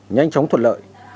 nhanh chóng thuận lợi